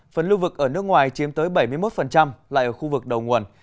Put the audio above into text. phần lưu vực ở nước ngoài chiếm tới bảy mươi một lại ở khu vực đầu nguồn